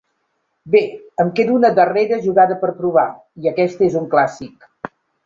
Bé, em queda una darrera jugada per provar, i aquesta és un clàssic.